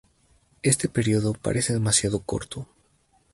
Este período parece demasiado corto.